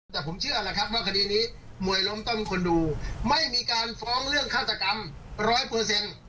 แต่ผมเชื่อแหละครับว่าคดีนี้มวยล้มต้มคนดูไม่มีการฟ้องเรื่องฆาตกรรมร้อยเปอร์เซ็นต์